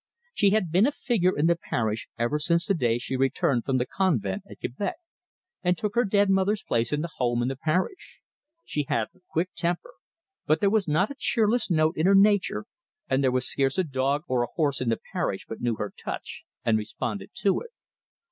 She had been a figure in the parish ever since the day she returned from the convent at Quebec, and took her dead mother's place in the home and the parish. She had a quick temper, but there was not a cheerless note in her nature, and there was scarce a dog or a horse in the parish but knew her touch, and responded to it.